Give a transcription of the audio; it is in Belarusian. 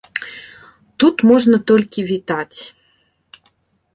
Тут можна толькі вітаць.